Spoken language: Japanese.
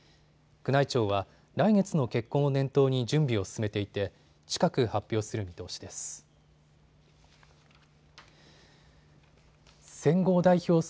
宮内庁は来月の結婚を念頭に準備を進めていて近く、発表する見通しです。